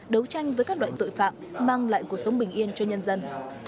đấu tranh với các loại tội phạm mang lại cuộc sống bình yên cho nhân dân